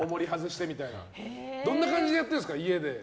どんな感じでやっているんですか、家で。